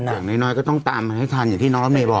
อย่างน้อยก็ต้องตามมันให้ทันอย่างที่น้องรถเมย์บอก